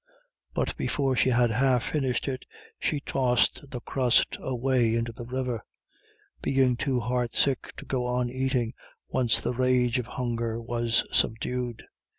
But before she had half finished it, she tossed the crust away into the river, being too heartsick to go on eating once the rage of hunger was subdued.